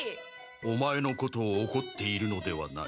オマエのことをおこっているのではない。